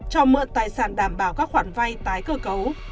cho mượn tài sản đảm bảo các khoản vay tái cơ cấu